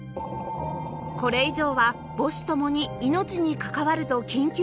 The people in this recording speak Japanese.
これ以上は母子ともに命に関わると緊急入院